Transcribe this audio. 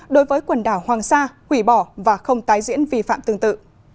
đối với quần đảo hoàng sa hủy bỏ và không tái diễn vi phạm tương tự